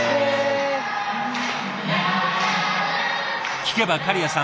聞けば狩屋さん